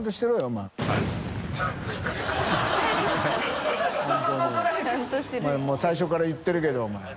お前もう最初から言ってるけどお前